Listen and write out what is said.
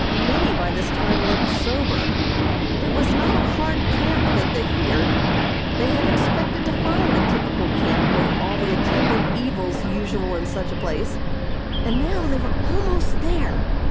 Many by this time looked sober, but it was not a hard camp that they feared. They had expected to find a typical camp with all the attendant evils usual in such a place, and now they were almost there.